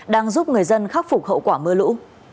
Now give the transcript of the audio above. đang giúp người dân khắc phục hậu quả mưa lũ